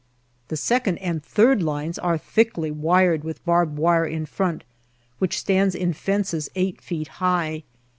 The second and third lines are thickly wired with barbed wire in front, which stands in fences 8 feet high.